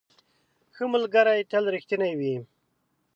ښه ملګري تل رښتیني وي.